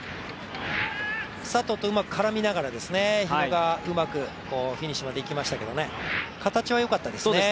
佐藤とうまく絡みながら日野がうまくフィニッシュまでいきましたけど形はよかったですね。